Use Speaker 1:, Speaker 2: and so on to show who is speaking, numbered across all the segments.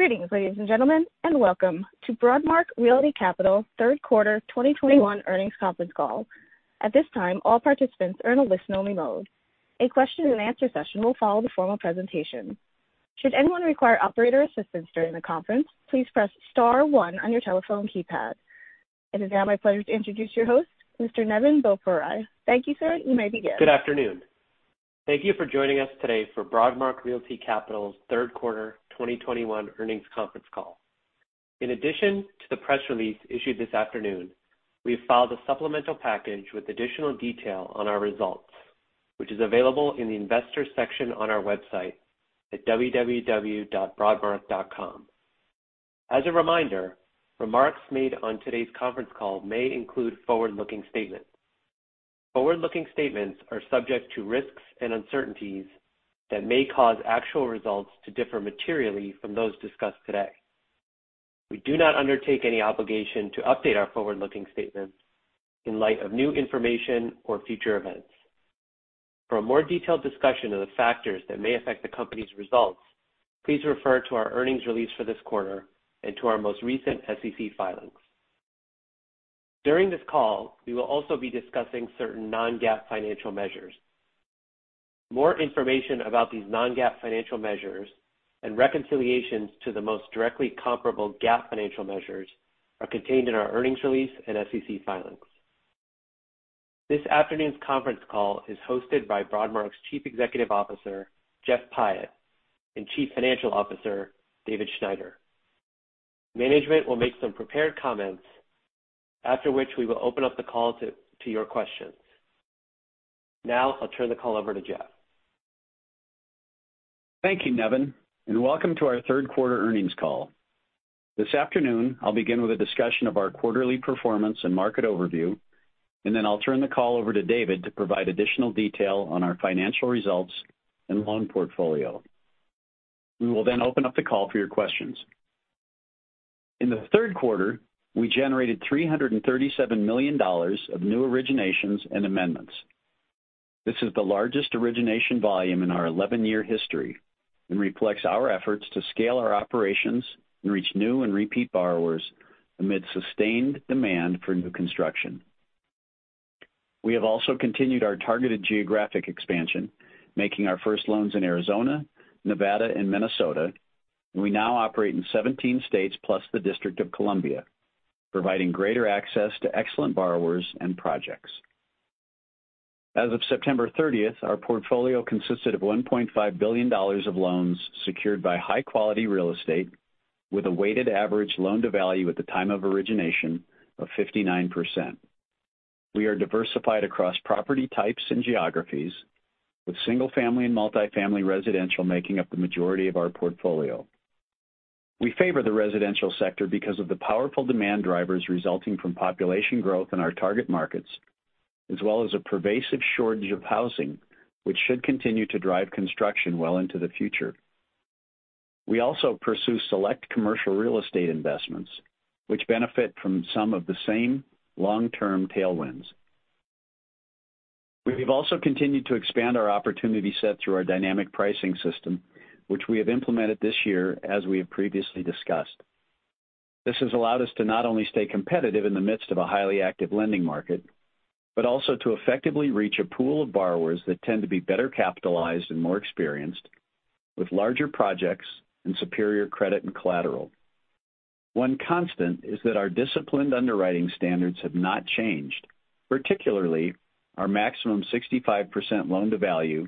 Speaker 1: Greetings, ladies and gentlemen, and welcome to Broadmark Realty Capital third quarter 2021 earnings conference call. At this time, all participants are in a listen-only mode. A question and answer session will follow the formal presentation. Should anyone require operator assistance during the conference, please press star one on your telephone keypad. It is now my pleasure to introduce your host, Mr. Nevin Boparai. Thank you, sir. You may begin.
Speaker 2: Good afternoon. Thank you for joining us today for Broadmark Realty Capital's third quarter 2021 earnings conference call. In addition to the press release issued this afternoon, we have filed a supplemental package with additional detail on our results, which is available in the Investors section on our website at www.broadmark.com. As a reminder, remarks made on today's conference call may include forward-looking statements. Forward-looking statements are subject to risks and uncertainties that may cause actual results to differ materially from those discussed today. We do not undertake any obligation to update our forward-looking statements in light of new information or future events. For a more detailed discussion of the factors that may affect the company's results, please refer to our earnings release for this quarter and to our most recent SEC filings. During this call, we will also be discussing certain non-GAAP financial measures. More information about these non-GAAP financial measures and reconciliations to the most directly comparable GAAP financial measures are contained in our earnings release and SEC filings. This afternoon's conference call is hosted by Broadmark's Chief Executive Officer, Jeff Pyatt, and Chief Financial Officer, David Schneider. Management will make some prepared comments, after which we will open up the call to your questions. Now I'll turn the call over to Jeff.
Speaker 3: Thank you, Nevin, and welcome to our third quarter earnings call. This afternoon, I'll begin with a discussion of our quarterly performance and market overview, and then I'll turn the call over to David to provide additional detail on our financial results and loan portfolio. We will then open up the call for your questions. In the third quarter, we generated $337 million of new originations and amendments. This is the largest origination volume in our 11-year history and reflects our efforts to scale our operations and reach new and repeat borrowers amid sustained demand for new construction. We have also continued our targeted geographic expansion, making our first loans in Arizona, Nevada, and Minnesota, and we now operate in 17 states plus the District of Columbia, providing greater access to excellent borrowers and projects. As of September 30th, our portfolio consisted of $1.5 billion of loans secured by high-quality real estate with a weighted average loan-to-value at the time of origination of 59%. We are diversified across property types and geographies, with single family and multifamily residential making up the majority of our portfolio. We favor the residential sector because of the powerful demand drivers resulting from population growth in our target markets, as well as a pervasive shortage of housing, which should continue to drive construction well into the future. We also pursue select commercial real estate investments, which benefit from some of the same long-term tailwinds. We have also continued to expand our opportunity set through our dynamic pricing system, which we have implemented this year as we have previously discussed. This has allowed us to not only stay competitive in the midst of a highly active lending market, but also to effectively reach a pool of borrowers that tend to be better capitalized and more experienced with larger projects and superior credit and collateral. One constant is that our disciplined underwriting standards have not changed, particularly our maximum 65% loan-to-value,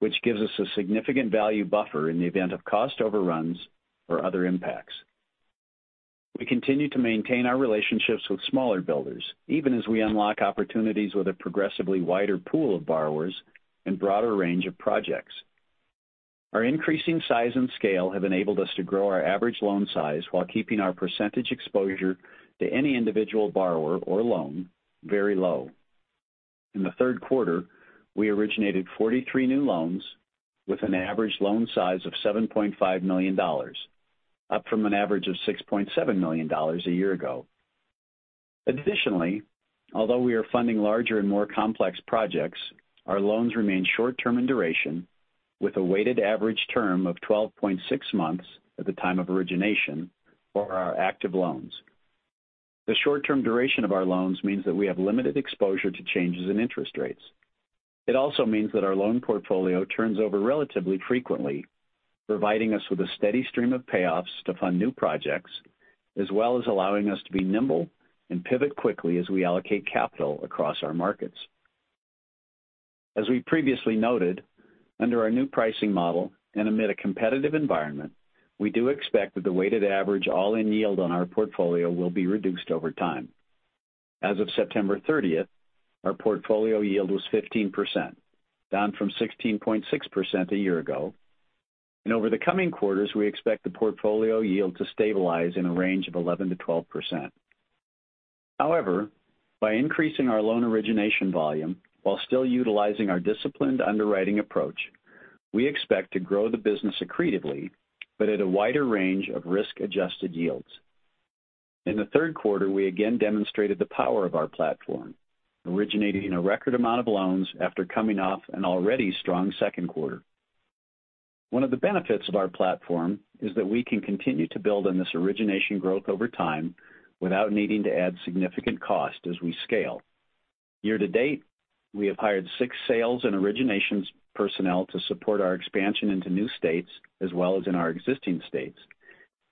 Speaker 3: which gives us a significant value buffer in the event of cost overruns or other impacts. We continue to maintain our relationships with smaller builders, even as we unlock opportunities with a progressively wider pool of borrowers and broader range of projects. Our increasing size and scale have enabled us to grow our average loan size while keeping our percentage exposure to any individual borrower or loan very low. In the third quarter, we originated 43 new loans with an average loan size of $7.5 million, up from an average of $6.7 million a year ago. Additionally, although we are funding larger and more complex projects, our loans remain short-term in duration with a weighted average term of 12.6 months at the time of origination for our active loans. The short-term duration of our loans means that we have limited exposure to changes in interest rates. It also means that our loan portfolio turns over relatively frequently, providing us with a steady stream of payoffs to fund new projects, as well as allowing us to be nimble and pivot quickly as we allocate capital across our markets. As we previously noted, under our new pricing model and amid a competitive environment, we do expect that the weighted average all-in yield on our portfolio will be reduced over time. As of September 30th, our portfolio yield was 15%, down from 16.6% a year ago. Over the coming quarters, we expect the portfolio yield to stabilize in a range of 11%-12%. However, by increasing our loan origination volume while still utilizing our disciplined underwriting approach, we expect to grow the business accretively but at a wider range of risk-adjusted yields. In the third quarter, we again demonstrated the power of our platform, originating a record amount of loans after coming off an already strong second quarter. One of the benefits of our platform is that we can continue to build on this origination growth over time without needing to add significant cost as we scale. Year-to-date, we have hired six sales and originations personnel to support our expansion into new states as well as in our existing states.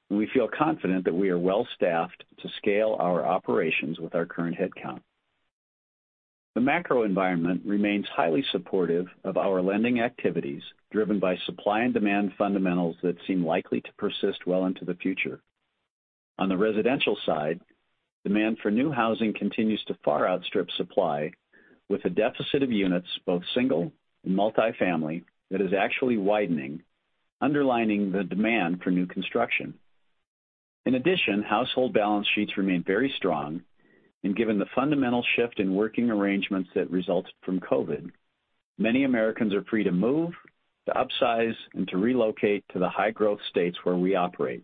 Speaker 3: We feel confident that we are well-staffed to scale our operations with our current headcount. The macro environment remains highly supportive of our lending activities, driven by supply and demand fundamentals that seem likely to persist well into the future. On the residential side, demand for new housing continues to far outstrip supply, with a deficit of units, both single and multi-family, that is actually widening, underlining the demand for new construction. In addition, household balance sheets remain very strong, and given the fundamental shift in working arrangements that resulted from COVID, many Americans are free to move, to upsize, and to relocate to the high-growth states where we operate.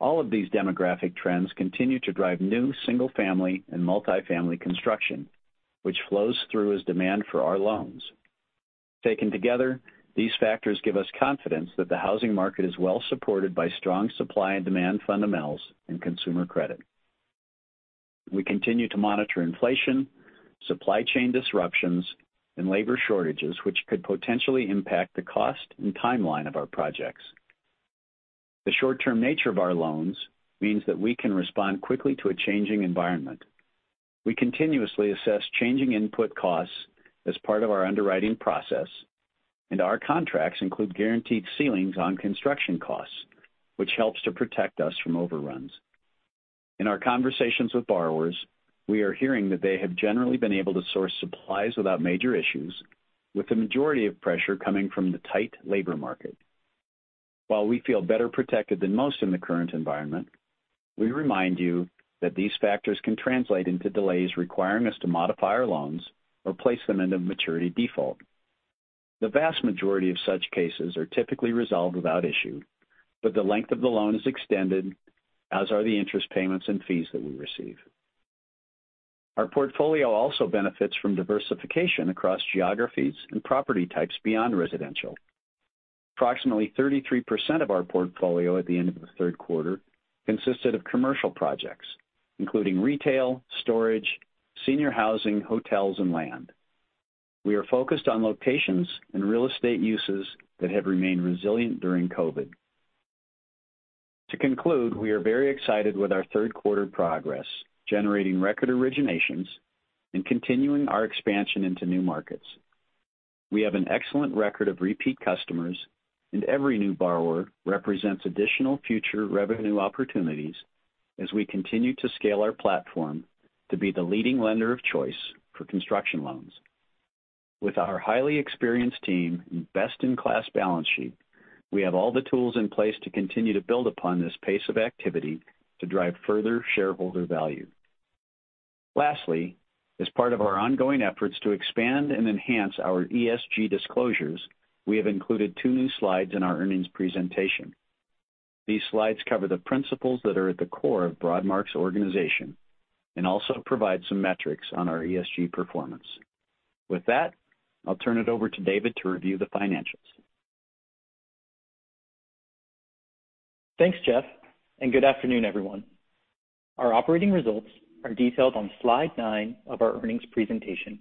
Speaker 3: All of these demographic trends continue to drive new single-family and multi-family construction, which flows through as demand for our loans. Taken together, these factors give us confidence that the housing market is well supported by strong supply and demand fundamentals and consumer credit. We continue to monitor inflation, supply chain disruptions, and labor shortages, which could potentially impact the cost and timeline of our projects. The short-term nature of our loans means that we can respond quickly to a changing environment. We continuously assess changing input costs as part of our underwriting process, and our contracts include guaranteed ceilings on construction costs, which helps to protect us from overruns. In our conversations with borrowers, we are hearing that they have generally been able to source supplies without major issues, with the majority of pressure coming from the tight labor market. While we feel better protected than most in the current environment, we remind you that these factors can translate into delays requiring us to modify our loans or place them into maturity default. The vast majority of such cases are typically resolved without issue, but the length of the loan is extended, as are the interest payments and fees that we receive. Our portfolio also benefits from diversification across geographies and property types beyond residential. Approximately 33% of our portfolio at the end of the third quarter consisted of commercial projects, including retail, storage, senior housing, hotels, and land. We are focused on locations and real estate uses that have remained resilient during COVID. To conclude, we are very excited with our third quarter progress, generating record originations and continuing our expansion into new markets. We have an excellent record of repeat customers and every new borrower represents additional future revenue opportunities as we continue to scale our platform to be the leading lender of choice for construction loans. With our highly experienced team and best-in-class balance sheet, we have all the tools in place to continue to build upon this pace of activity to drive further shareholder value. Lastly, as part of our ongoing efforts to expand and enhance our ESG disclosures, we have included two new slides in our earnings presentation. These slides cover the principles that are at the core of Broadmark's organization and also provide some metrics on our ESG performance. With that, I'll turn it over to David to review the financials.
Speaker 4: Thanks, Jeff, and good afternoon, everyone. Our operating results are detailed on slide 9 of our earnings presentation.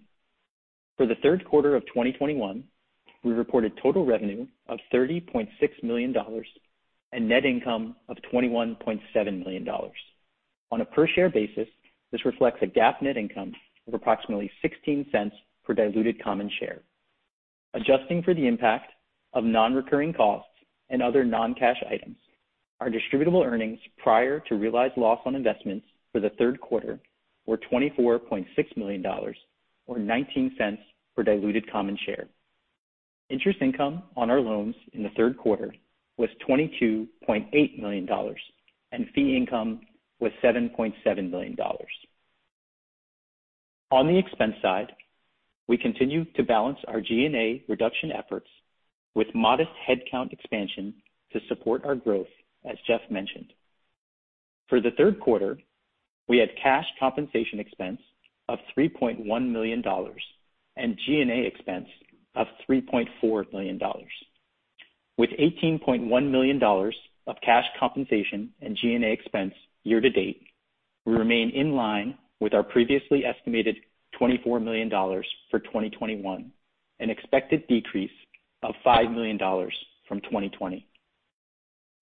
Speaker 4: For the third quarter of 2021, we reported total revenue of $30.6 million and net income of $21.7 million. On a per-share basis, this reflects a GAAP net income of approximately $0.16 per diluted common share. Adjusting for the impact of non-recurring costs and other non-cash items, our distributable earnings prior to realized loss on investments for the third quarter were $24.6 million or $0.19 per diluted common share. Interest income on our loans in the third quarter was $22.8 million and fee income was $7.7 million. On the expense side, we continue to balance our G&A reduction efforts with modest headcount expansion to support our growth, as Jeff mentioned. For the third quarter, we had cash compensation expense of $3.1 million and G&A expense of $3.4 million. With $18.1 million of cash compensation and G&A expense year-to-date, we remain in line with our previously estimated $24 million for 2021, an expected decrease of $5 million from 2020.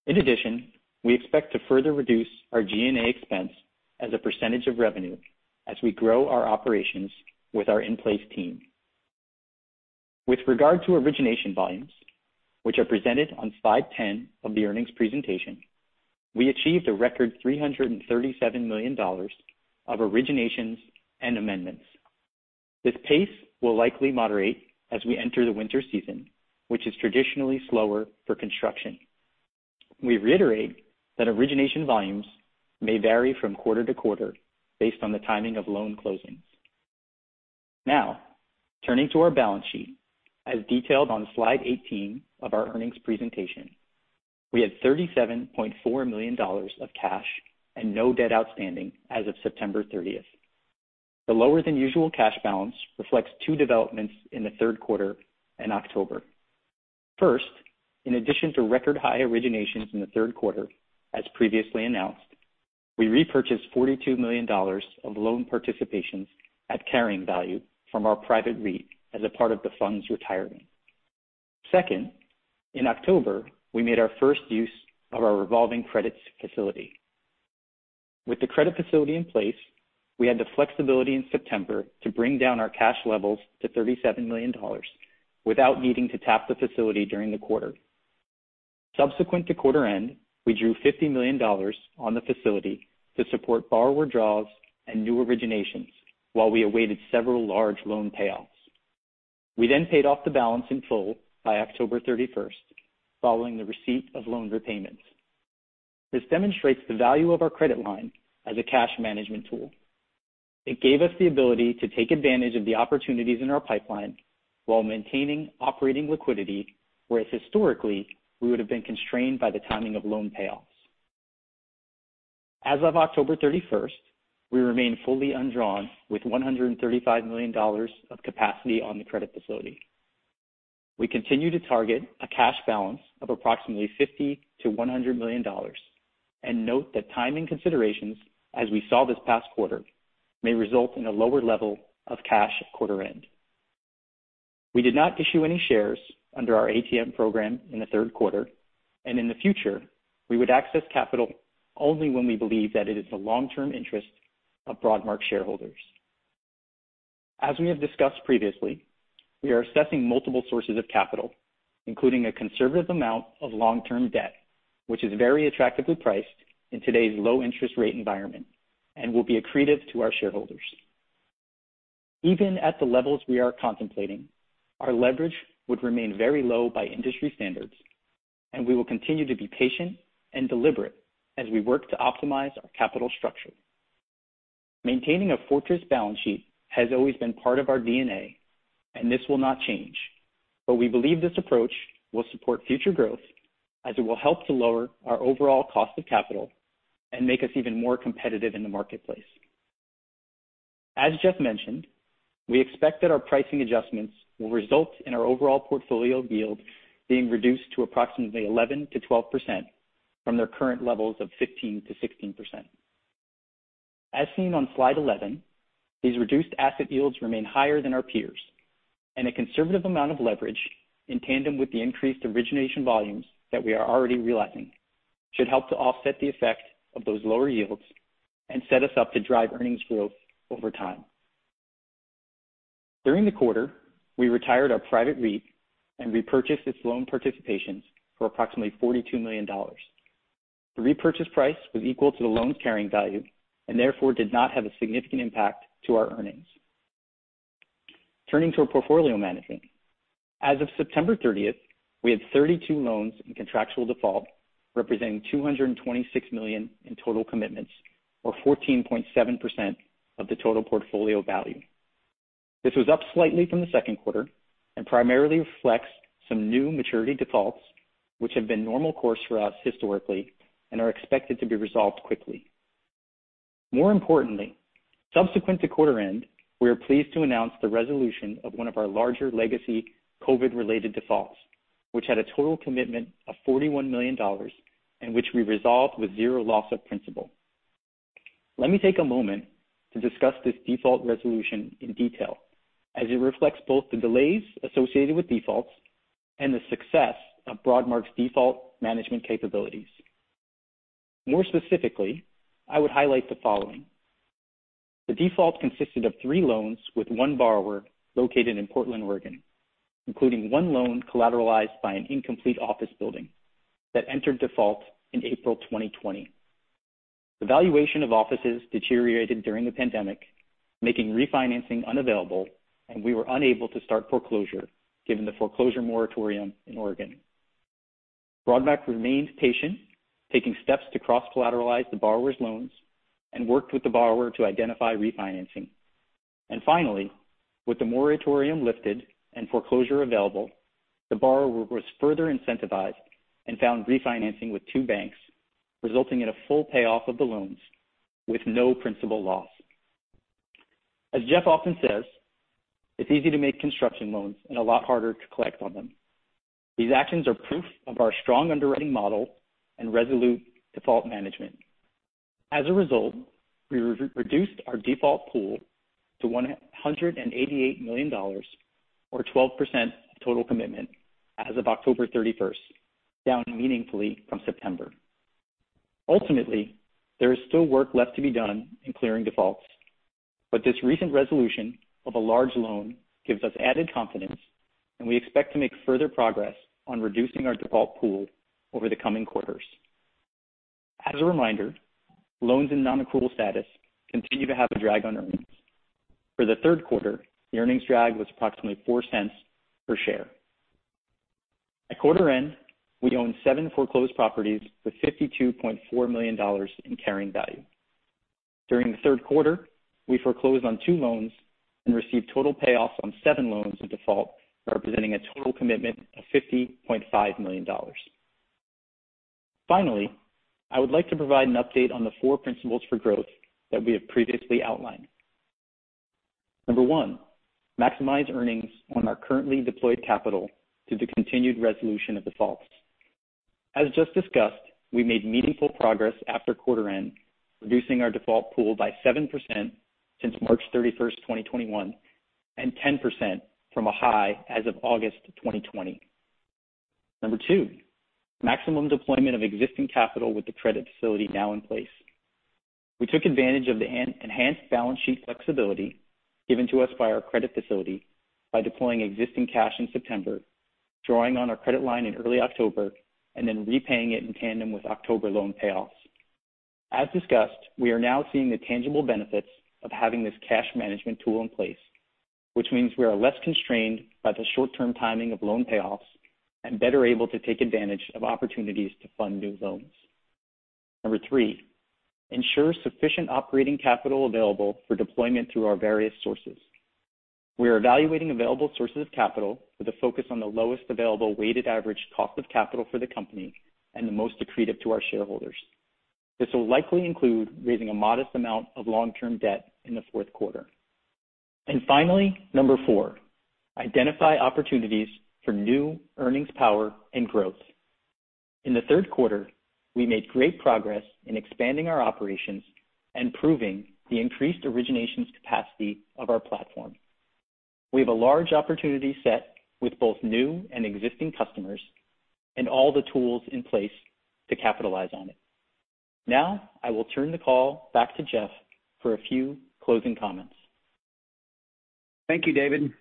Speaker 4: In addition, we expect to further reduce our G&A expense as a percentage of revenue as we grow our operations with our in-place team. With regard to origination volumes, which are presented on slide 10 of the earnings presentation, we achieved a record $337 million of originations and amendments. This pace will likely moderate as we enter the winter season, which is traditionally slower for construction. We reiterate that origination volumes may vary from quarter to quarter based on the timing of loan closings. Now, turning to our balance sheet. As detailed on slide 18 of our earnings presentation, we had $37.4 million of cash and no debt outstanding as of September 30th. The lower than usual cash balance reflects two developments in the third quarter in October. First, in addition to record high originations in the third quarter, as previously announced, we repurchased $42 million of loan participations at carrying value from our private REIT as a part of the funds retiring. Second, in October, we made our first use of our revolving credit facility. With the credit facility in place, we had the flexibility in September to bring down our cash levels to $37 million without needing to tap the facility during the quarter. Subsequent to quarter end, we drew $50 million on the facility to support borrower draws and new originations while we awaited several large loan payouts. We then paid off the balance in full by October 31st following the receipt of loan repayments. This demonstrates the value of our credit line as a cash management tool. It gave us the ability to take advantage of the opportunities in our pipeline while maintaining operating liquidity, whereas historically, we would have been constrained by the timing of loan payoffs. As of October 31st, we remain fully undrawn with $135 million of capacity on the credit facility. We continue to target a cash balance of approximately $50 million-$100 million and note that timing considerations, as we saw this past quarter, may result in a lower level of cash at quarter end. We did not issue any shares under our ATM program in the third quarter, and in the future, we would access capital only when we believe that it is the long-term interest of Broadmark shareholders. As we have discussed previously, we are assessing multiple sources of capital, including a conservative amount of long-term debt, which is very attractively priced in today's low interest rate environment and will be accretive to our shareholders. Even at the levels we are contemplating, our leverage would remain very low by industry standards, and we will continue to be patient and deliberate as we work to optimize our capital structure. Maintaining a fortress balance sheet has always been part of our DNA, and this will not change. We believe this approach will support future growth as it will help to lower our overall cost of capital and make us even more competitive in the marketplace. As Jeff mentioned, we expect that our pricing adjustments will result in our overall portfolio yield being reduced to approximately 11%-12% from their current levels of 15%-16%. As seen on slide 11, these reduced asset yields remain higher than our peers, and a conservative amount of leverage in tandem with the increased origination volumes that we are already realizing should help to offset the effect of those lower yields and set us up to drive earnings growth over time. During the quarter, we retired our private REIT and repurchased its loan participations for approximately $42 million. The repurchase price was equal to the loan's carrying value and therefore did not have a significant impact to our earnings. Turning to our portfolio management. As of September 30th, we had 32 loans in contractual default, representing $226 million in total commitments or 14.7% of the total portfolio value. This was up slightly from the second quarter and primarily reflects some new maturity defaults, which have been normal course for us historically and are expected to be resolved quickly. More importantly, subsequent to quarter end, we are pleased to announce the resolution of one of our larger legacy COVID-related defaults, which had a total commitment of $41 million and which we resolved with zero loss of principal. Let me take a moment to discuss this default resolution in detail as it reflects both the delays associated with defaults and the success of Broadmark's default management capabilities. More specifically, I would highlight the following. The default consisted of three loans with one borrower located in Portland, Oregon, including one loan collateralized by an incomplete office building that entered default in April 2020. The valuation of offices deteriorated during the pandemic, making refinancing unavailable, and we were unable to start foreclosure given the foreclosure moratorium in Oregon. Broadmark remained patient, taking steps to cross-collateralize the borrower's loans and worked with the borrower to identify refinancing. Finally, with the moratorium lifted and foreclosure available, the borrower was further incentivized and found refinancing with two banks, resulting in a full payoff of the loans with no principal loss. As Jeff often says, "It's easy to make construction loans and a lot harder to collect on them." These actions are proof of our strong underwriting model and resolute default management. As a result, we re-reduced our default pool to $188 million or 12% of total commitment as of October 31st, down meaningfully from September. Ultimately, there is still work left to be done in clearing defaults, but this recent resolution of a large loan gives us added confidence, and we expect to make further progress on reducing our default pool over the coming quarters. As a reminder, loans in non-accrual status continue to have a drag on earnings. For the third quarter, the earnings drag was approximately $0.04 per share. At quarter end, we own seven foreclosed properties with $52.4 million in carrying value. During the third quarter, we foreclosed on two loans and received total payoffs on seven loans in default, representing a total commitment of $50.5 million. Finally, I would like to provide an update on the four principles for growth that we have previously outlined. Number one, maximize earnings on our currently deployed capital through the continued resolution of defaults. As just discussed, we made meaningful progress after quarter end, reducing our default pool by 7% since March 31st, 2021, and 10% from a high as of August 2020. Number two, maximum deployment of existing capital with the credit facility now in place. We took advantage of the enhanced balance sheet flexibility given to us by our credit facility by deploying existing cash in September, drawing on our credit line in early October, and then repaying it in tandem with October loan payoffs. As discussed, we are now seeing the tangible benefits of having this cash management tool in place, which means we are less constrained by the short-term timing of loan payoffs and better able to take advantage of opportunities to fund new loans. Number three, ensure sufficient operating capital available for deployment through our various sources. We are evaluating available sources of capital with a focus on the lowest available weighted average cost of capital for the company and the most accretive to our shareholders. This will likely include raising a modest amount of long-term debt in the fourth quarter. Finally, number four, identify opportunities for new earnings power and growth. In the third quarter, we made great progress in expanding our operations and proving the increased originations capacity of our platform. We have a large opportunity set with both new and existing customers and all the tools in place to capitalize on it. Now I will turn the call back to Jeff for a few closing comments.
Speaker 3: Thank you, David.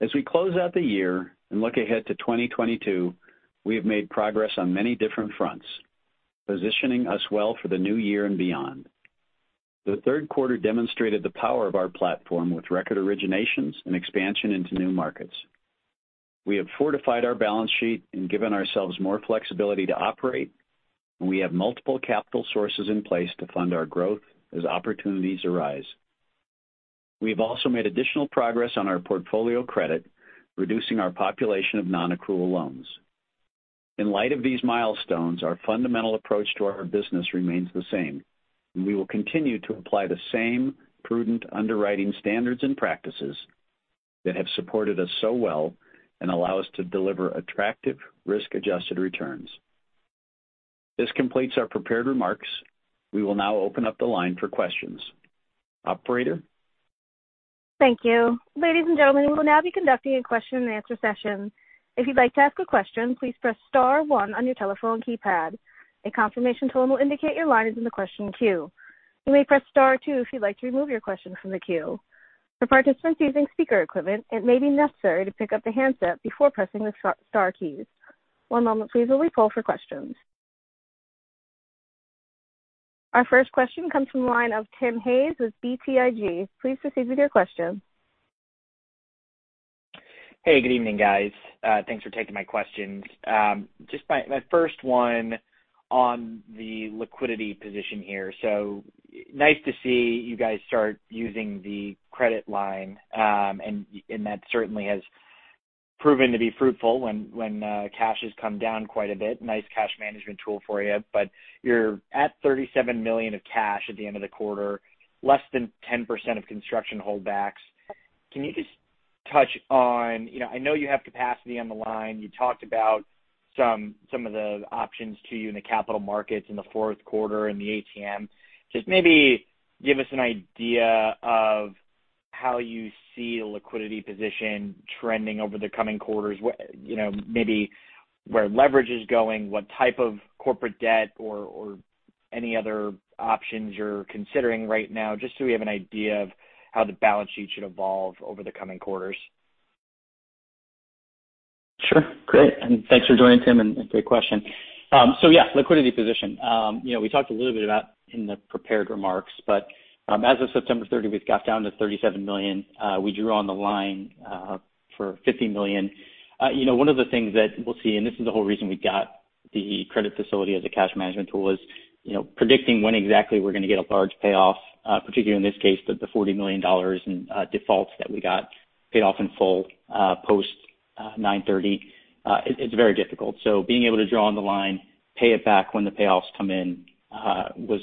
Speaker 3: As we close out the year and look ahead to 2022, we have made progress on many different fronts, positioning us well for the new year and beyond. The third quarter demonstrated the power of our platform with record originations and expansion into new markets. We have fortified our balance sheet and given ourselves more flexibility to operate, and we have multiple capital sources in place to fund our growth as opportunities arise. We have also made additional progress on our portfolio credit, reducing our population of non-accrual loans. In light of these milestones, our fundamental approach to our business remains the same, and we will continue to apply the same prudent underwriting standards and practices that have supported us so well and allow us to deliver attractive risk-adjusted returns. This completes our prepared remarks. We will now open up the line for questions. Operator?
Speaker 1: Thank you. Ladies and gentlemen, we will now be conducting a question and answer session. If you'd like to ask a question, please press star one on your telephone keypad. A confirmation tone will indicate your line is in the question queue. You may press star two if you'd like to remove your question from the queue. For participants using speaker equipment, it may be necessary to pick up the handset before pressing the star keys. One moment please while we poll for questions. Our first question comes from the line of Tim Hayes with BTIG. Please proceed with your question.
Speaker 5: Hey, good evening, guys. Thanks for taking my questions. Just my first one on the liquidity position here. Nice to see you guys start using the credit line, and that certainly has proven to be fruitful when cash has come down quite a bit. Nice cash management tool for you. You're at $37 million of cash at the end of the quarter, less than 10% of construction holdbacks. Can you just touch on, you know, I know you have capacity on the line. You talked about some of the options to you in the capital markets in the fourth quarter and the ATM. Just maybe give us an idea of how you see a liquidity position trending over the coming quarters, you know, maybe where leverage is going, what type of corporate debt or any other options you're considering right now, just so we have an idea of how the balance sheet should evolve over the coming quarters?
Speaker 4: Sure. Great. Thanks for joining, Tim, and great question. Yeah, liquidity position. You know, we talked a little bit about in the prepared remarks, but as of September 30, we've got down to $37 million. We drew on the line for $50 million. You know, one of the things that we'll see, and this is the whole reason we got the credit facility as a cash management tool, is you know, predicting when exactly we're gonna get a large payoff, particularly in this case, the $40 million in defaults that we got paid off in full post 9/30, it's very difficult. Being able to draw on the line, pay it back when the payoffs come in, was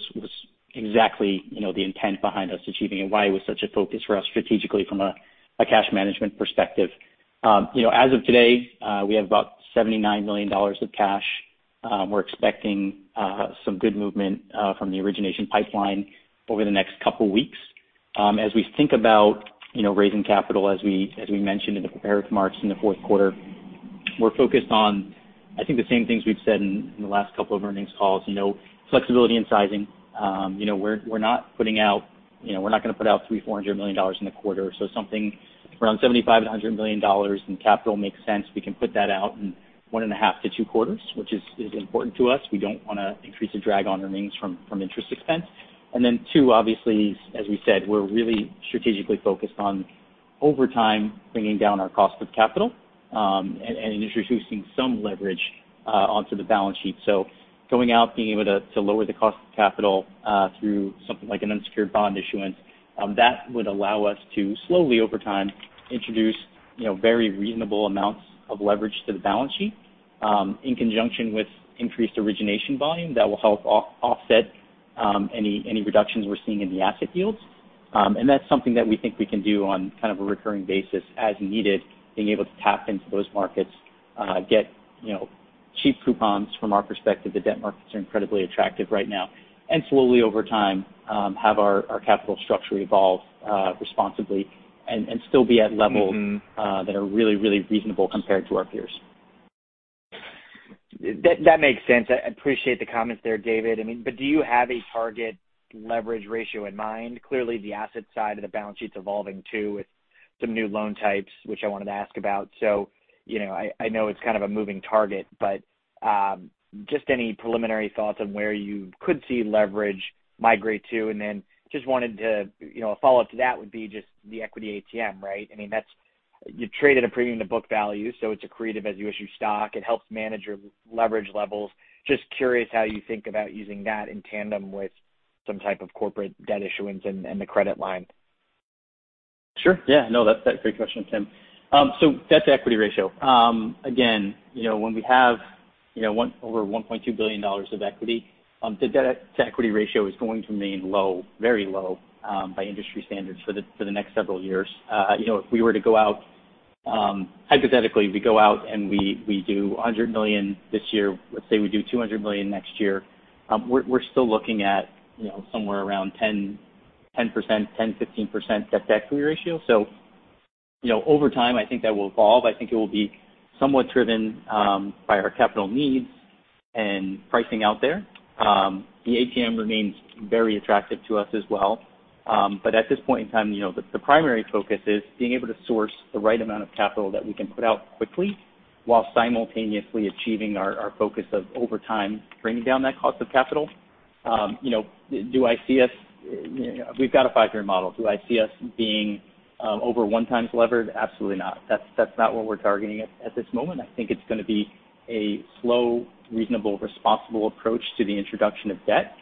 Speaker 4: exactly the intent behind us achieving it and why it was such a focus for us strategically from a cash management perspective. As of today, we have about $79 million of cash. We're expecting some good movement from the origination pipeline over the next couple weeks. As we think about raising capital, as we mentioned in the prepared remarks in the fourth quarter, we're focused on, I think, the same things we've said in the last couple of earnings calls. Flexibility and sizing. We're not putting out, we're not gonna put out $300 million-$400 million in the quarter. Something around $75 million-$100 million in capital makes sense. We can put that out in 1.5-2 quarters, which is important to us. We don't wanna increase the drag on earnings from interest expense. Two, obviously, as we said, we're really strategically focused on over time bringing down our cost of capital and introducing some leverage onto the balance sheet. Going out, being able to lower the cost of capital through something like an unsecured bond issuance, that would allow us to slowly, over time, introduce, you know, very reasonable amounts of leverage to the balance sheet in conjunction with increased origination volume that will help offset any reductions we're seeing in the asset yields. That's something that we think we can do on kind of a recurring basis as needed, being able to tap into those markets, get you know cheap coupons from our perspective, the debt markets are incredibly attractive right now. Slowly over time, have our capital structure evolve responsibly and still be at levels.
Speaker 5: Mm-hmm.
Speaker 4: That are really, really reasonable compared to our peers.
Speaker 5: That makes sense. I appreciate the comments there, David. I mean, but do you have a target leverage ratio in mind? Clearly, the asset side of the balance sheet's evolving too, with some new loan types, which I wanted to ask about. You know, I know it's kind of a moving target, but just any preliminary thoughts on where you could see leverage migrate to. Just wanted to, you know, a follow-up to that would be just the equity ATM, right? I mean, that's, you traded a premium to book value, so it's accretive as you issue stock. It helps manage your leverage levels. Just curious how you think about using that in tandem with some type of corporate debt issuance and the credit line.
Speaker 4: Sure, yeah. No, that's a great question, Tim. So debt-to-equity ratio. Again, you know, when we have, you know, over $1.2 billion of equity, the debt-to-equity ratio is going to remain low, very low, by industry standards for the next several years. You know, if we were to go out, hypothetically, we go out and we do $100 million this year, let's say we do $200 million next year, we're still looking at, you know, somewhere around 10%-15% debt-to-equity ratio. You know, over time, I think that will evolve. I think it will be somewhat driven by our capital needs and pricing out there. The ATM remains very attractive to us as well. At this point in time, you know, the primary focus is being able to source the right amount of capital that we can put out quickly while simultaneously achieving our focus of over time bringing down that cost of capital. You know, do I see us? We've got a five-year model. Do I see us being over 1x levered? Absolutely not. That's not what we're targeting at this moment. I think it's gonna be a slow, reasonable, responsible approach to the introduction of debt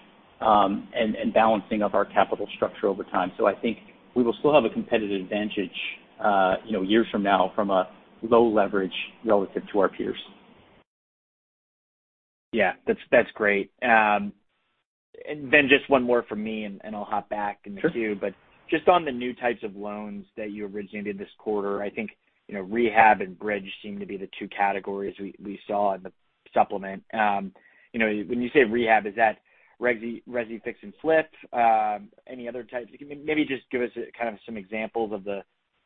Speaker 4: and balancing of our capital structure over time. I think we will still have a competitive advantage, you know, years from now from a low leverage relative to our peers.
Speaker 5: Yeah. That's great. Then just one more from me, and I'll hop back in the queue.
Speaker 4: Sure.
Speaker 5: Just on the new types of loans that you originated this quarter, I think, you know, rehab and bridge seem to be the two categories we saw in the supplement. You know, when you say rehab, is that resi fix and flip? Any other types? Maybe just give us kind of some examples of the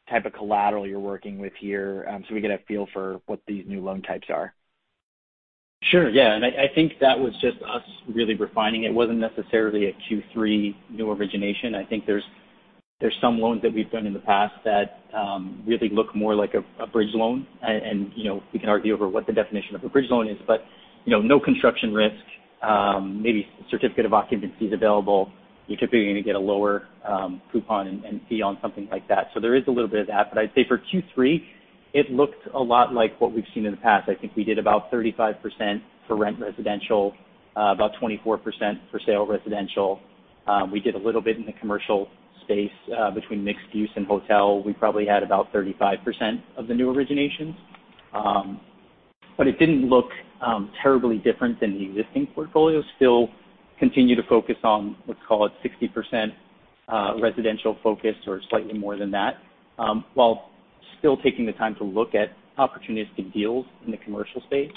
Speaker 5: type of collateral you're working with here, so we get a feel for what these new loan types are.
Speaker 4: Sure, yeah. I think that was just us really refining. It wasn't necessarily a Q3 new origination. I think there's some loans that we've done in the past that really look more like a bridge loan. You know, we can argue over what the definition of a bridge loan is, but you know, no construction risk, maybe certificate of occupancy is available. You could be gonna get a lower coupon and fee on something like that. There is a little bit of that. I'd say for Q3, it looked a lot like what we've seen in the past. I think we did about 35% for rent residential, about 24% for sale residential. We did a little bit in the commercial space, between mixed use and hotel. We probably had about 35% of the new originations. It didn't look terribly different than the existing portfolio. Still continue to focus on, let's call it 60%, residential focus or slightly more than that, while still taking the time to look at opportunistic deals in the commercial space.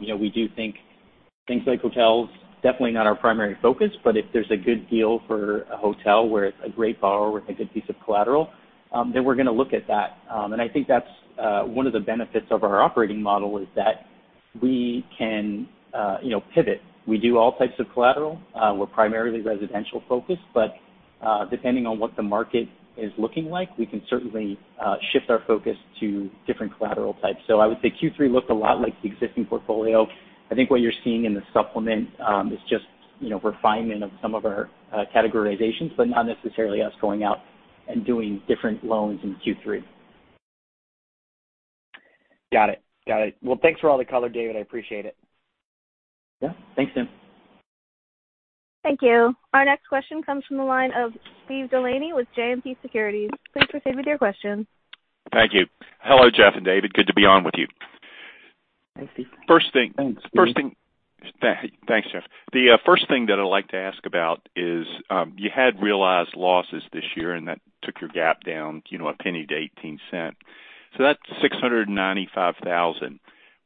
Speaker 4: You know, we do think things like hotels, definitely not our primary focus, but if there's a good deal for a hotel where it's a great borrower with a good piece of collateral, then we're gonna look at that. I think that's one of the benefits of our operating model is that we can, you know, pivot. We do all types of collateral. We're primarily residential focused, but, depending on what the market is looking like, we can certainly shift our focus to different collateral types. I would say Q3 looked a lot like the existing portfolio. I think what you're seeing in the supplement is just, you know, refinement of some of our categorizations, but not necessarily us going out and doing different loans in Q3.
Speaker 5: Got it. Well, thanks for all the color, David. I appreciate it.
Speaker 4: Yeah. Thanks, Tim.
Speaker 1: Thank you. Our next question comes from the line of Steve DeLaney with JMP Securities. Please proceed with your question.
Speaker 6: Thank you. Hello, Jeff and David. Good to be on with you.
Speaker 4: Hi, Steve.
Speaker 3: Thanks, Steve.
Speaker 6: First thing. Thanks, Jeff. The first thing that I'd like to ask about is you had realized losses this year and that took your GAAP down, you know, $0.01 to $0.18. So that $695,000,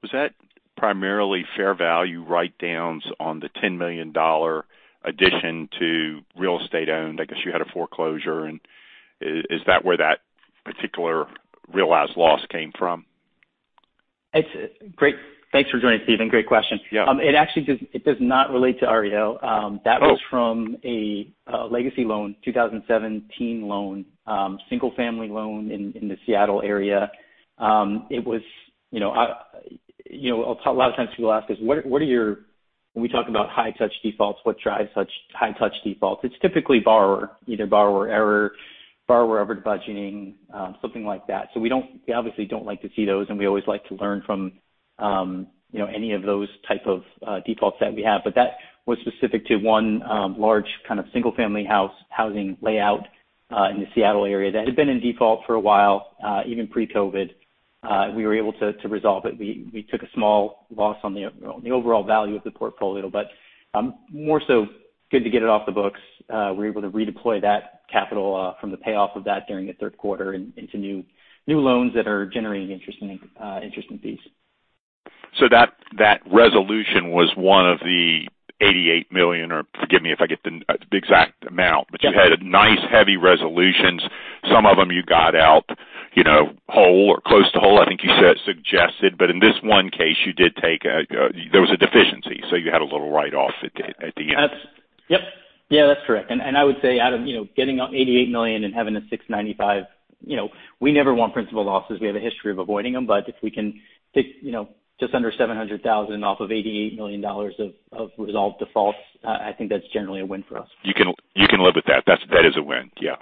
Speaker 6: was that primarily fair value write-downs on the $10 million addition to real estate owned? I guess you had a foreclosure and is that where that particular realized loss came from?
Speaker 4: Great. Thanks for joining, Steve, and great question.
Speaker 6: Yeah.
Speaker 4: It actually does not relate to REO. That was from a legacy loan, 2017 loan, single-family loan in the Seattle area. It was, you know, you know, a lot of times people ask us, what are your, when we talk about high touch defaults, what drives such high touch defaults? It's typically borrower. Either borrower error, borrower over-budgeting, something like that. So we don't, we obviously don't like to see those, and we always like to learn from, you know, any of those type of defaults that we have. But that was specific to one, large kind of single family housing layout in the Seattle area that had been in default for a while, even pre-COVID. We were able to resolve it. We took a small loss on the overall value of the portfolio. More so good to get it off the books. We're able to redeploy that capital from the payoff of that during the third quarter into new loans that are generating interesting fees.
Speaker 6: That resolution was one of the $88 million, or forgive me if I get the exact amount.
Speaker 4: Yeah.
Speaker 6: You had nice heavy resolutions. Some of them you got out, you know, whole or close to whole, I think you suggested. In this one case, there was a deficiency, so you had a little write-off at the end.
Speaker 4: Yeah, that's correct. I would say out of, you know, getting $88 million and having $695,000, you know, we never want principal losses. We have a history of avoiding them. If we can take, you know, just under $700,000 off of $88 million of resolved defaults, I think that's generally a win for us.
Speaker 6: You can live with that. That's a win. Yeah.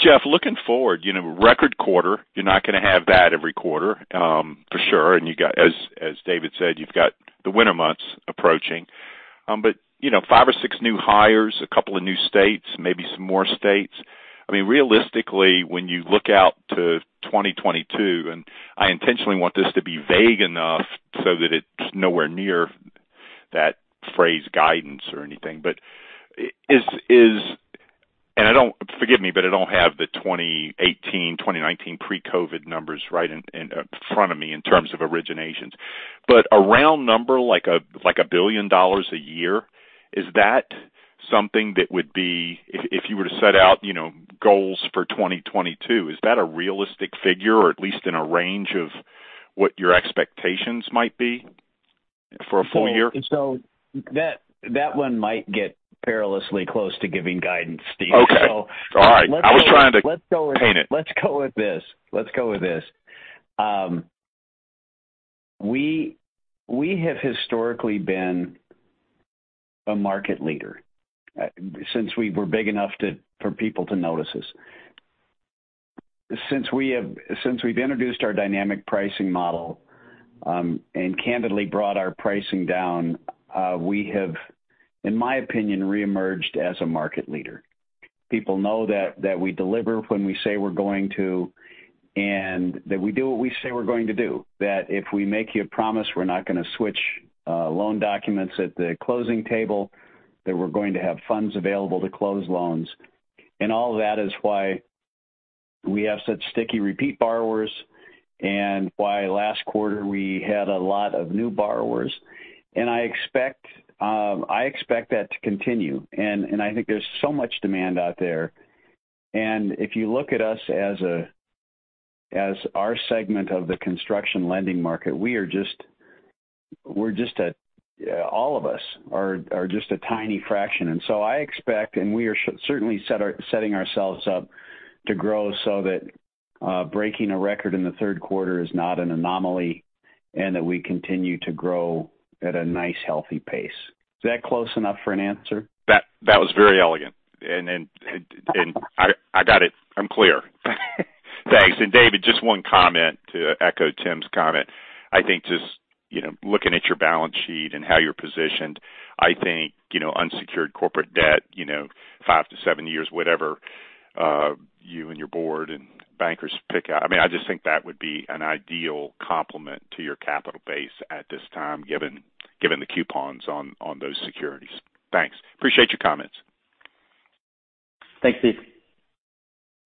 Speaker 6: Jeff, looking forward, you know, record quarter. You're not gonna have that every quarter, for sure. You got, as David said, you've got the winter months approaching. You know, five or six new hires, a couple of new states, maybe some more states. I mean, realistically when you look out to 2022, and I intentionally want this to be vague enough so that it's nowhere near that phrase guidance or anything. Forgive me, I don't have the 2018, 2019 pre-COVID numbers right in front of me in terms of originations. A round number like a $1 billion a year, is that something that would be if you were to set out, you know, goals for 2022, is that a realistic figure or at least in a range of what your expectations might be for a full year?
Speaker 3: That one might get perilously close to giving guidance, Steve.
Speaker 6: Okay.
Speaker 3: So-
Speaker 6: All right. I was trying to paint it.
Speaker 3: Let's go with this. We have historically been a market leader since we were big enough for people to notice us. Since we've introduced our dynamic pricing model and candidly brought our pricing down, we have, in my opinion, reemerged as a market leader. People know that we deliver when we say we're going to, and that we do what we say we're going to do. That if we make you a promise, we're not gonna switch loan documents at the closing table, that we're going to have funds available to close loans. All of that is why we have such sticky repeat borrowers and why last quarter we had a lot of new borrowers. I expect that to continue. I think there's so much demand out there. If you look at us as our segment of the construction lending market, we're just a tiny fraction. All of us are just a tiny fraction. I expect, and we are certainly setting ourselves up to grow so that breaking a record in the third quarter is not an anomaly and that we continue to grow at a nice, healthy pace. Is that close enough for an answer?
Speaker 6: That was very elegant. I got it. I'm clear. Thanks. David, just one comment to echo Tim's comment. I think, you know, looking at your balance sheet and how you're positioned, I think, you know, unsecured corporate debt, you know, 5-7 years, whatever, you and your board and bankers pick out. I mean, I just think that would be an ideal complement to your capital base at this time, given the coupons on those securities. Thanks. Appreciate your comments.
Speaker 4: Thanks, Steve.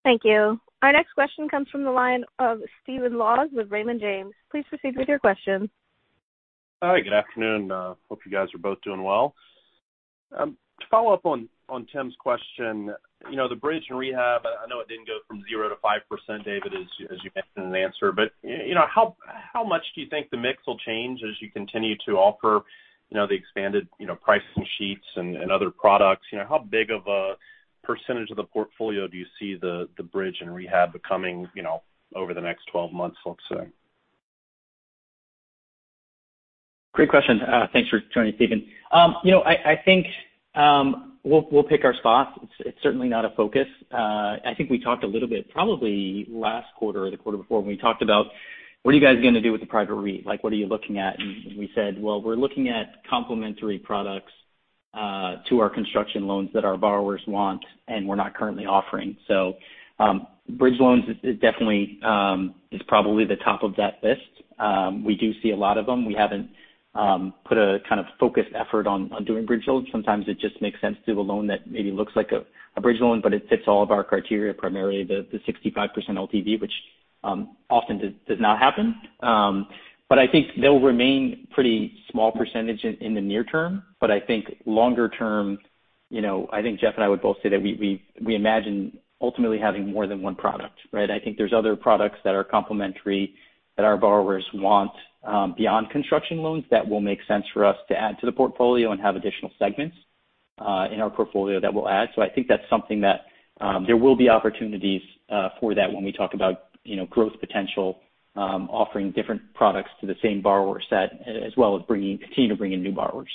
Speaker 1: Thank you. Our next question comes from the line of Stephen Laws with Raymond James. Please proceed with your question.
Speaker 7: Hi, good afternoon. Hope you guys are both doing well. To follow up on Tim's question, you know, the bridge and rehab, I know it didn't go from 0%-5%, David, as you mentioned in an answer. You know, how much do you think the mix will change as you continue to offer, you know, the expanded pricing sheets and other products? You know, how big of a percentage of the portfolio do you see the bridge and rehab becoming, you know, over the next 12 months, let's say?
Speaker 4: Great question. Thanks for joining, Stephen. You know, I think we'll pick our spots. It's certainly not a focus. I think we talked a little bit probably last quarter or the quarter before when we talked about what are you guys gonna do with the private REIT. Like, what are you looking at? We said, well, we're looking at complementary products to our construction loans that our borrowers want and we're not currently offering. Bridge loans is definitely probably the top of that list. We do see a lot of them. We haven't put a kind of focused effort on doing bridge loans. Sometimes it just makes sense to do a loan that maybe looks like a bridge loan, but it fits all of our criteria, primarily the 65% LTV, which often does not happen. I think they'll remain a pretty small percentage in the near term. I think longer term, you know, I think Jeff and I would both say that we imagine ultimately having more than one product, right? I think there's other products that are complementary that our borrowers want beyond construction loans that will make sense for us to add to the portfolio and have additional segments in our portfolio that we'll add. I think that's something that there will be opportunities for that when we talk about, you know, growth potential, offering different products to the same borrower set, as well as continue to bring in new borrowers.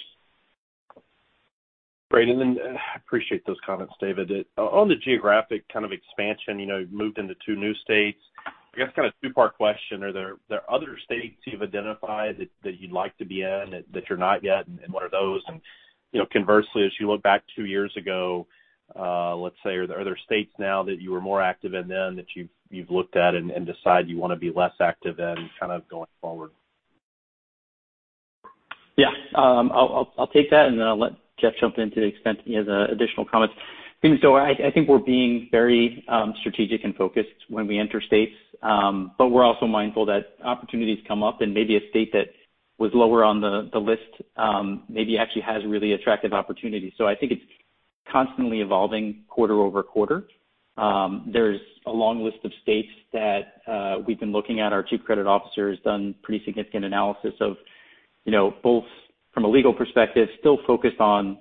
Speaker 7: Great. I appreciate those comments, David. On the geographic kind of expansion, you know, moved into two new states. I guess kind of a two-part question. Are there other states you've identified that you'd like to be in that you're not yet, and what are those? You know, conversely, as you look back two years ago, let's say, are there other states now that you were more active in then that you've looked at and decide you wanna be less active in kind of going forward?
Speaker 4: Yeah. I'll take that, and then I'll let Jeff jump in to the extent he has additional comments. I think we're being very strategic and focused when we enter states. We're also mindful that opportunities come up and maybe a state that was lower on the list, maybe actually has really attractive opportunities. I think it's constantly evolving quarter over quarter. There's a long list of states that we've been looking at. Our chief credit officer has done pretty significant analysis of, you know, both from a legal perspective, still focused on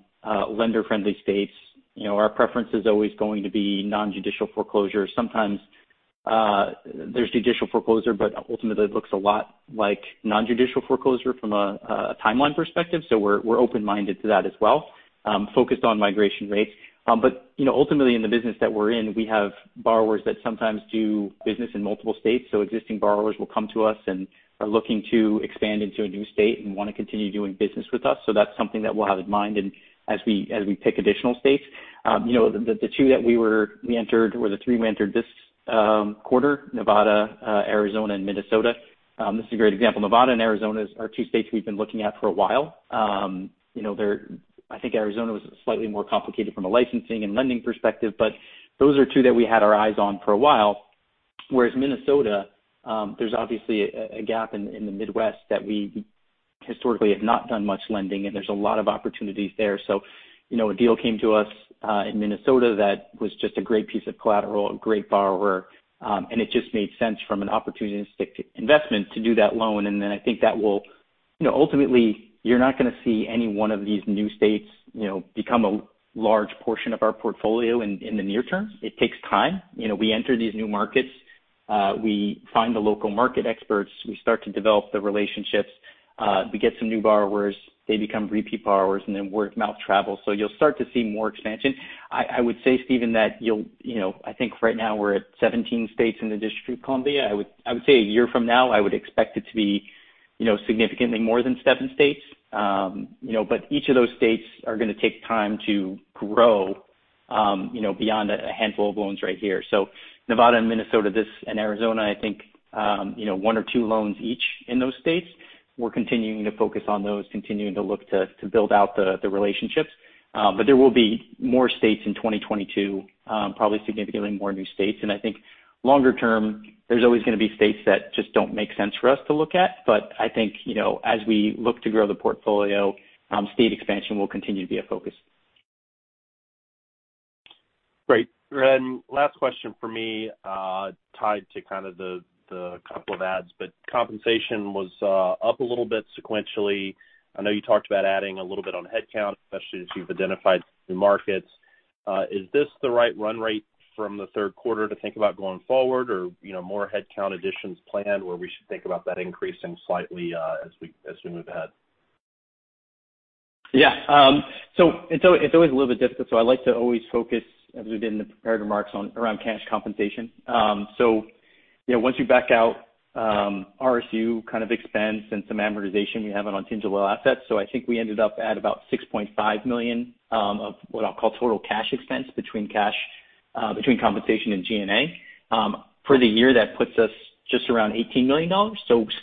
Speaker 4: lender-friendly states. You know, our preference is always going to be non-judicial foreclosure. Sometimes there's judicial foreclosure, but ultimately it looks a lot like non-judicial foreclosure from a timeline perspective. We're open-minded to that as well, focused on migration rates. You know, ultimately in the business that we're in, we have borrowers that sometimes do business in multiple states. Existing borrowers will come to us and are looking to expand into a new state and wanna continue doing business with us. That's something that we'll have in mind and as we pick additional states. You know, the two that we entered, or the three we entered this quarter, Nevada, Arizona and Minnesota. This is a great example. Nevada and Arizona are two states we've been looking at for a while. You know, they're I think Arizona was slightly more complicated from a licensing and lending perspective, but those are two that we had our eyes on for a while. Whereas Minnesota, there's obviously a gap in the Midwest that we historically have not done much lending, and there's a lot of opportunities there. You know, a deal came to us in Minnesota that was just a great piece of collateral, a great borrower, and it just made sense from an opportunistic investment to do that loan. I think that will, you know, ultimately, you're not gonna see any one of these new states, you know, become a large portion of our portfolio in the near term. It takes time. You know, we enter these new markets, we find the local market experts, we start to develop the relationships, we get some new borrowers, they become repeat borrowers, and then word of mouth travels. You'll start to see more expansion. I would say, Stephen, that, you know, I think right now we're at 17 states in the District of Columbia. I would say a year from now, I would expect it to be, you know, significantly more than seven states. You know, but each of those states are gonna take time to grow, you know, beyond a handful of loans right here. So Nevada and Minnesota and Arizona, I think, you know, one or two loans each in those states. We're continuing to focus on those, continuing to look to build out the relationships. But there will be more states in 2022, probably significantly more new states. I think longer term, there's always gonna be states that just don't make sense for us to look at. I think, you know, as we look to grow the portfolio, state expansion will continue to be a focus.
Speaker 7: Great. Last question for me, tied to kind of the couple of adds, but compensation was up a little bit sequentially. I know you talked about adding a little bit on headcount, especially as you've identified new markets. Is this the right run rate from the third quarter to think about going forward or, you know, more headcount additions planned where we should think about that increasing slightly, as we move ahead?
Speaker 4: Yeah. It's always a little bit difficult, so I like to always focus, as we did in the prepared remarks, on around cash compensation. You know, once you back out, RSU kind of expense and some amortization we have on contingent loan assets. I think we ended up at about $6.5 million of what I'll call total cash expense between cash compensation and G&A. For the year, that puts us just around $18 million.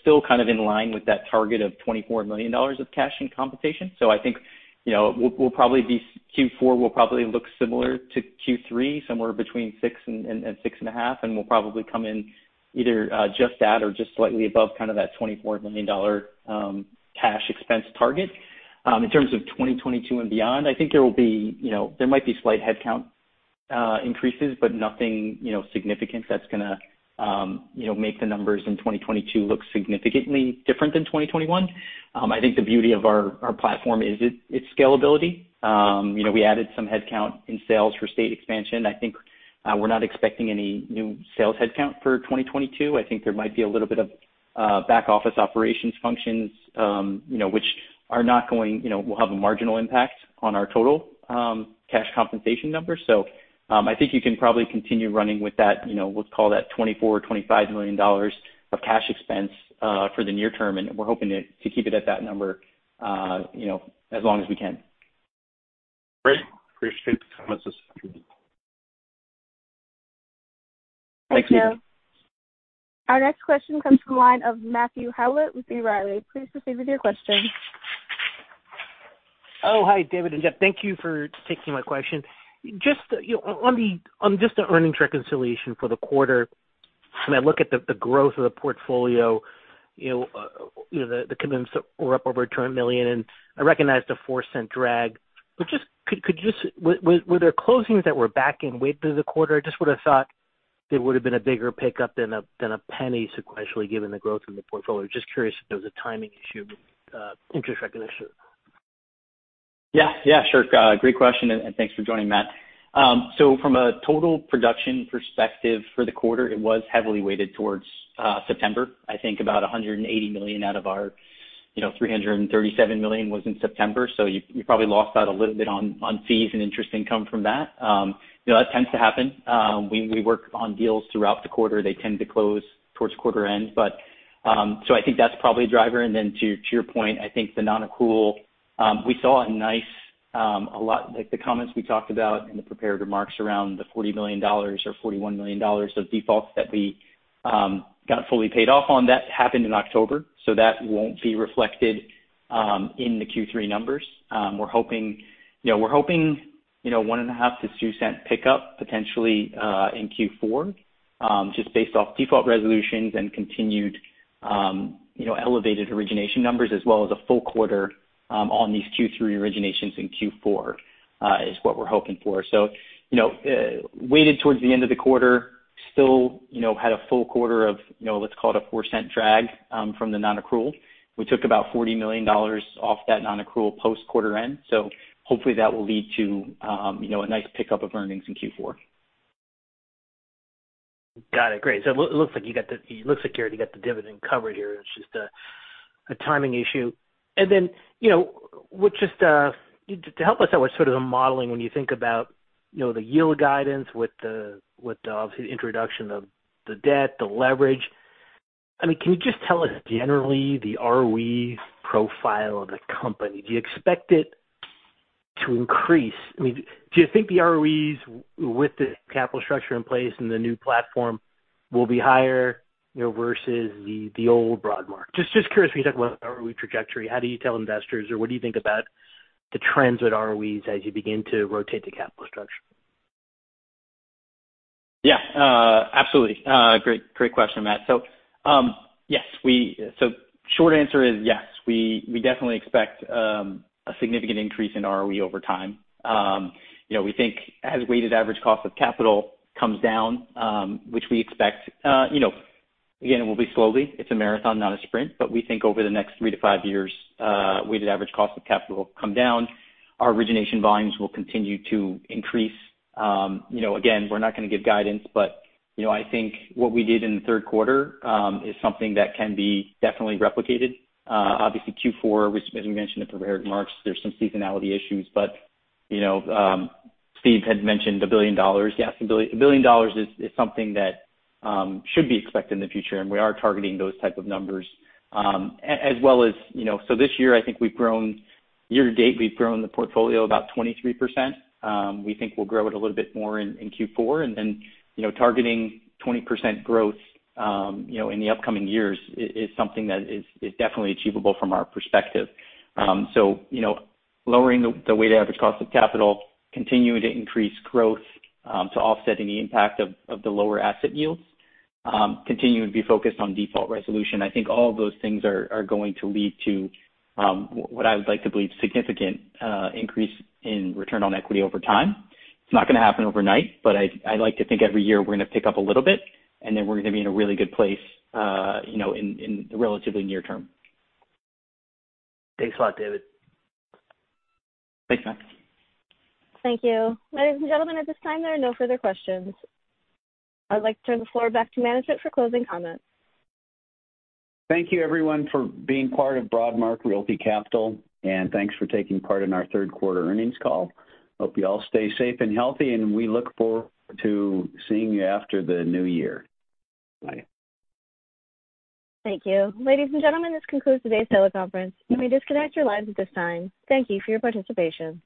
Speaker 4: Still kind of in line with that target of $24 million of cash and compensation. I think, you know, Q4 will probably look similar to Q3, somewhere between $6 million and $6.5 million, and we'll probably come in either just that or just slightly above kind of that $24 million cash expense target. In terms of 2022 and beyond, I think there will be, you know, there might be slight headcount increases, but nothing, you know, significant that's gonna make the numbers in 2022 look significantly different than 2021. I think the beauty of our platform is it's scalability. You know, we added some headcount in sales for state expansion. I think we're not expecting any new sales headcount for 2022. I think there might be a little bit of back office operations functions, you know, which are not going, you know, will have a marginal impact on our total cash compensation numbers. I think you can probably continue running with that, you know, we'll call that $24 million-$25 million of cash expense for the near term, and we're hoping to keep it at that number, you know, as long as we can.
Speaker 7: Great. I appreciate the comments this afternoon.
Speaker 4: Thank you.
Speaker 1: Our next question comes from the line of Matthew Howlett with B. Riley. Please proceed with your question.
Speaker 8: Oh, hi, David and Jeff. Thank you for taking my question. Just on just the earnings reconciliation for the quarter, when I look at the growth of the portfolio, the commitments were up over $200 million, and I recognize the $0.04 drag. Were there closings that were backing away through the quarter? I just would have thought it would have been a bigger pickup than $0.01 sequentially, given the growth in the portfolio. Just curious if there was a timing issue with interest recognition.
Speaker 4: Great question, and thanks for joining, Matt. So from a total production perspective for the quarter, it was heavily weighted towards September. I think about $180 million out of our, you know, $337 million was in September. So you probably lost out a little bit on fees and interest income from that. You know, that tends to happen. We work on deals throughout the quarter. They tend to close towards quarter end. I think that's probably a driver. Then to your point, I think the non-accrual, we saw a nice, a lot like the comments we talked about in the prepared remarks around the $40 million or $41 million of defaults that we got fully paid off on. That happened in October, so that won't be reflected in the Q3 numbers. We're hoping, you know, 1.5-2 cents pickup potentially in Q4, just based off default resolutions and continued, you know, elevated origination numbers as well as a full quarter on these Q3 originations in Q4, is what we're hoping for. You know, weighted towards the end of the quarter, still, you know, had a full quarter of, you know, let's call it a 4 cents drag from the non-accrual. We took about $40 million off that non-accrual post quarter end, so hopefully that will lead to, you know, a nice pickup of earnings in Q4.
Speaker 8: Got it. Great. It looks like you already got the dividend covered here. It's just a timing issue. Then, you know, with just to help us out with sort of the modeling, when you think about, you know, the yield guidance with the obviously introduction of the debt, the leverage, I mean, can you just tell us generally the ROE profile of the company? Do you expect it to increase? I mean, do you think the ROEs with the capital structure in place and the new platform will be higher, you know, versus the old Broadmark? Just curious when you talk about ROE trajectory, how do you tell investors or what do you think about the trends at ROEs as you begin to rotate the capital structure?
Speaker 4: Yeah, absolutely. Great question, Matt. So, yes. Short answer is yes. We definitely expect a significant increase in ROE over time. You know, we think as weighted average cost of capital comes down, which we expect. You know, again, it will be slowly. It's a marathon, not a sprint. But we think over the next 3-5 years, weighted average cost of capital will come down. Our origination volumes will continue to increase. You know, again, we're not gonna give guidance, but, you know, I think what we did in the third quarter is something that can be definitely replicated. Obviously Q4, which as we mentioned in prepared remarks, there's some seasonality issues. But, you know, Steve had mentioned $1 billion. Yes, $1 billion is something that should be expected in the future, and we are targeting those type of numbers. As well as, you know, so this year, I think we've grown the portfolio year-to-date about 23%. We think we'll grow it a little bit more in Q4. You know, targeting 20% growth, you know, in the upcoming years is something that is definitely achievable from our perspective. You know, lowering the weighted average cost of capital, continuing to increase growth to offset the impact of the lower asset yields, continuing to be focused on default resolution. I think all of those things are going to lead to what I would like to believe is a significant increase in return on equity over time. It's not gonna happen overnight, but I like to think every year we're gonna pick up a little bit, and then we're gonna be in a really good place, you know, in the relatively near term.
Speaker 8: Thanks a lot, David.
Speaker 4: Thanks, Matt.
Speaker 1: Thank you. Ladies and gentlemen, at this time, there are no further questions. I would like to turn the floor back to management for closing comments.
Speaker 3: Thank you, everyone, for being part of Broadmark Realty Capital, and thanks for taking part in our third quarter earnings call. Hope you all stay safe and healthy, and we look forward to seeing you after the new year. Bye.
Speaker 1: Thank you. Ladies and gentlemen, this concludes today's teleconference. You may disconnect your lines at this time. Thank you for your participation.